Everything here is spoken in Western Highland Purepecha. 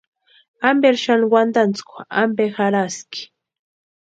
¿Amperi xani wantantskwa ampe jarhaski?